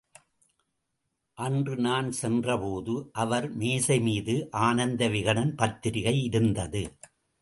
அன்று நான் சென்றபோது அவர் மேஜைமீது ஆனந்தவிகடன் பத்திரிகை இருந்தது.